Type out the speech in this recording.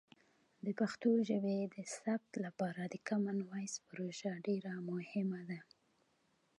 د پښتو ژبې د ثبت لپاره د کامن وایس پروژه ډیر مهمه ده.